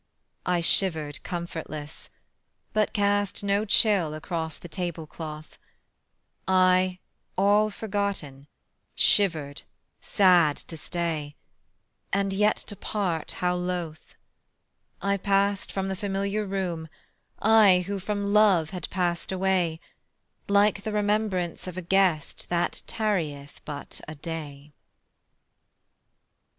I shivered comfortless, but cast No chill across the table cloth; I, all forgotten, shivered, sad To stay, and yet to part how loth: I passed from the familiar room, I who from love had passed away, Like the remembrance of a guest That tarrieth but a day.